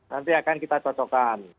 nanti akan kita cocokkan